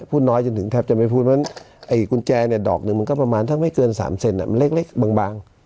พูดน้อยจนถึงแทบจะไม่พูดเพราะฉะกุญแจเนี่ยดอกหนึ่งมันก็ประมาณทั้งไม่เกิน๓เซนมันเล็กบาง